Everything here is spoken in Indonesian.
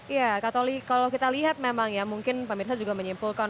ya kak toli kalau kita lihat memang ya mungkin pemirsa juga menyimpulkan